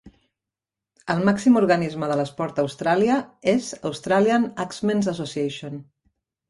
El màxim organisme de l'esport a Austràlia és Australian Axemen's Association.